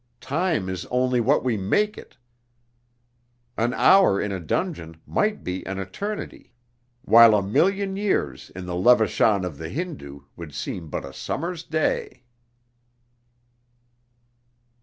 Time is only what we make it. An hour in a dungeon might be an eternity, while a million years in the Levachan of the Hindoo would seem but a summer's day."